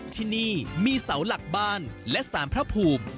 ที่นี่มีเสาหลักบ้านและสารพระภูมิ